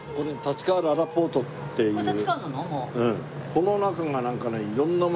この中がなんかね。